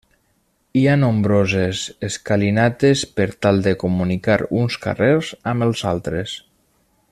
Hi ha nombroses escalinates per tal de comunicar uns carrers amb els altres.